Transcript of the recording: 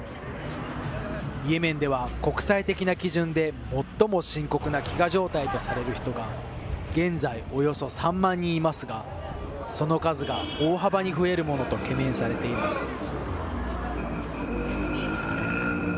イエメンでは、国際的な基準で、最も深刻な飢餓状態とされる人が、現在およそ３万人いますが、その数が大幅に増えるものと懸念されています。